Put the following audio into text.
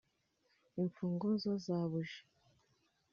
Imfunguzo za buji,